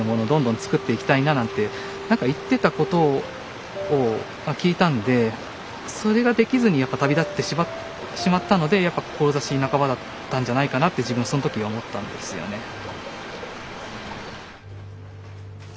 どんどん作っていきたいななんて何か言ってたことを聞いたんでそれができずにやっぱ旅立ってしまったのでやっぱ志半ばだったんじゃないかなって自分はその時思ったんですよね。